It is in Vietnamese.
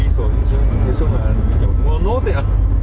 rồi nói chung là kiểu mua lốt đi ạ